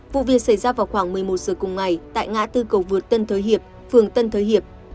vụ việc xảy ra vào khoảng một mươi một giờ cùng ngày tại ngã tư cầu vượt tân thới hiệp phường tân thới hiệp